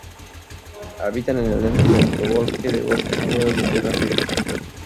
Habitan en el denso sotobosque de bosques húmedos de "terra firme".